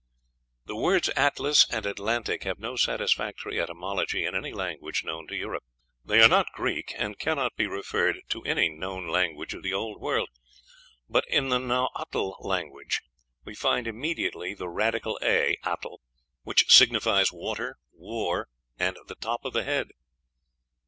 "The words Atlas and Atlantic have no satisfactory etymology in any language known to Europe. They are not Greek, and cannot be referred to any known language of the Old World. But in the Nahuatl language we find immediately the radical a, atl, which signifies water, war, and the top of the head.